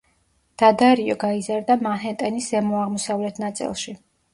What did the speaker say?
დადარიო გაიზარდა მანჰეტენის ზემო აღმოსავლეთ ნაწილში.